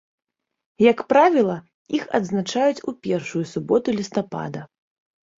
Як правіла, іх адзначаюць у першую суботу лістапада.